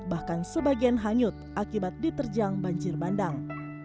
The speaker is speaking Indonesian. bahkan sebagian hanyut akibat diterjang banjir bandang